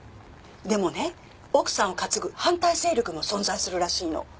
でもね奥さんを担ぐ反対勢力も存在するらしいの。